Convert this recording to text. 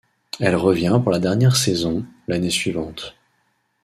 Elle revient pour la dernière saison, l'année suivante.